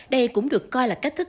đây cũng được coi là cách thức